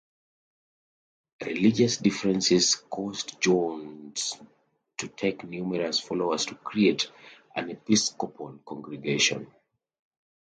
Religious differences caused Jones to take numerous followers to create an Episcopal congregation.